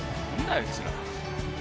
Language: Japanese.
あいつら。